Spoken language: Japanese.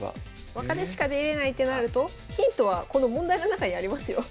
若手しか出れないってなるとヒントはこの問題の中にありますよ。